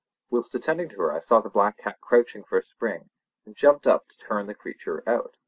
Whilst attending to her I saw the black cat crouching for a spring, and jumped up to turn the creature out.